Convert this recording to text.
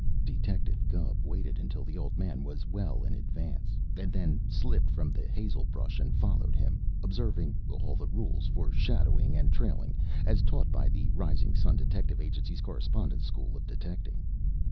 Detective Gubb waited until the old man was well in advance, and then slipped from the hazel brush and followed him, observing all the rules for Shadowing and Trailing as taught by the Rising Sun Detective Agency's Correspondence School of Detecting.